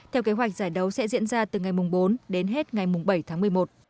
theo kế hoạch giải đấu sẽ diễn ra từ ngày bốn đến hết ngày bảy tháng một mươi một